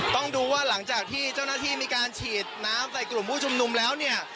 ต้องดูว่าหลังจากที่เจ้าหน้าที่มีการฉีดน้ำใส่กลุ่มผู้ชุมนุมแล้วเนี่ย